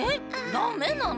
ダメなの？